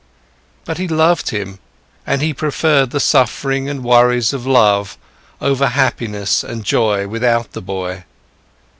But he loved him, and he preferred the suffering and worries of love over happiness and joy without the boy.